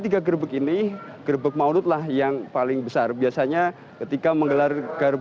tiga gerbek ini gerbek maulud lah yang paling besar biasanya ketika menggelar